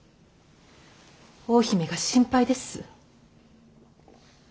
大姫が心配です。